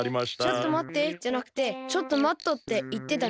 「ちょっと待って」じゃなくて「ちょっと待っと」っていってたね。